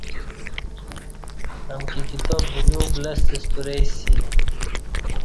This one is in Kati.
امکی کتاب بلیوک لستہ ستُورئ سی